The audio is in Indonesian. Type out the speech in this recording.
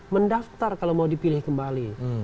mendaftar kalau mau dipilih kembali